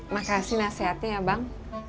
makasih nasihatnya ya bang